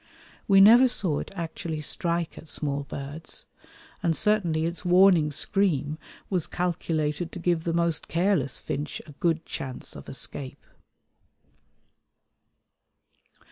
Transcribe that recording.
We never saw it actually strike at small birds, and certainly its warning scream was calculated to give the most careless finch a good chance of escape.